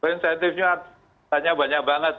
insentifnya banyak banget